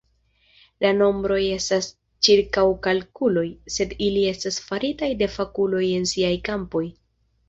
La nombroj estas ĉirkaŭkalkuloj, sed ili estas faritaj de fakuloj en siaj kampoj.